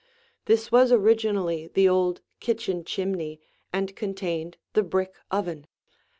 This was originally the old kitchen chimney and contained the brick oven.